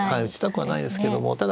打ちたくはないですけども。